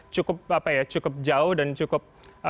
cukup jauh dan cukup